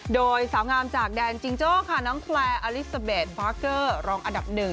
โดยสาวงามจากแดนจิงโจ้ค่ะน้องแคลร์อลิซาเบสฟาร์เกอร์รองอันดับ๑